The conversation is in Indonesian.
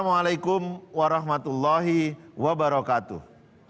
assalamualaikum warahmatullahi wabarakatuh